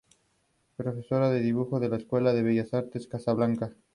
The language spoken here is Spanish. Estudió hasta quinto año básico en el Colegio Sagrados Corazones de Manquehue.